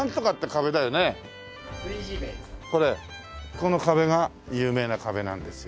この壁が有名な壁なんですよ。